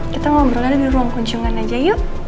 kita ngobrol ada di ruang kunjungan aja yuk